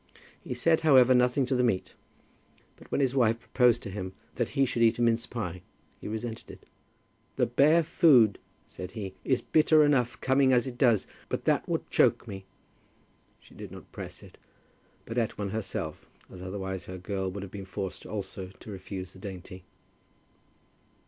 He said, however, nothing to the meat; but when his wife proposed to him that he should eat a mince pie he resented it. "The bare food," said he, "is bitter enough, coming as it does; but that would choke me." She did not press it, but eat one herself, as otherwise her girl would have been forced also to refuse the dainty.